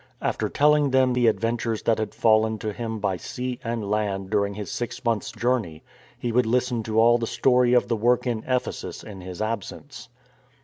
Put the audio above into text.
After tell ing them the adventures that had fallen to him by sea and land during his six months' journey, he would listen to all the story of the work in Ephesus in his absence.